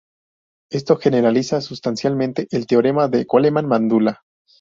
Esto generaliza sustancialmente el teorema de Coleman–Mandula.